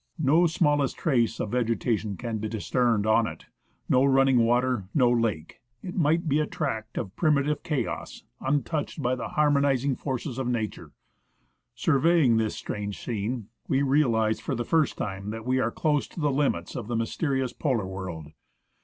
No smallest trace of vegetation can be discerned on it, no running water, no lake. It might be a tract of primitive chaos untouched by the har monizing forces of nature. Surveying this strange scene, we realized for the first time that we were close to the limits of the mysterious Polar world.